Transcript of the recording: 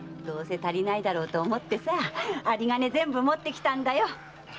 どうせ足りないだろうと思ってあり金全部持ってきたんだよ。